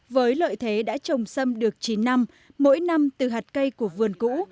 với lợi thế đã trồng sâm được chín năm mỗi năm từ hạt cây của vườn cũ